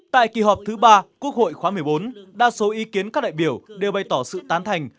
tại kỳ họp thứ ba quốc hội khóa một mươi bốn đa số ý kiến các đại biểu đều bày tỏ sự tán thành